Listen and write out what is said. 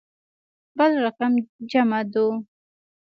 بل رقم جمعه دو.